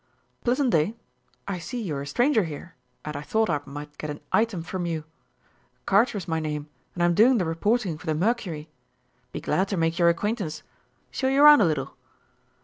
"Pleasant day. I see you're a stranger here, and I thought I might get an item from you. Carter's my name, and I'm doing the reporting for the Mercury. Be glad to make your acquaintance. Show you round a little."